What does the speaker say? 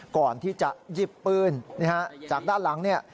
ก่อนที่จะหยิบปืนจากด้านหลังเนี่ย